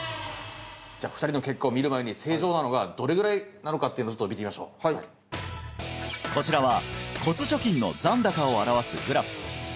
じゃあ２人の結果を見る前に正常なのがどれぐらいなのかっていうのをちょっと見てみましょうこちらは骨貯金の残高を表すグラフ